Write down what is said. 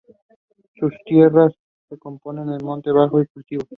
Sus tierras se componen de monte bajo y cultivos.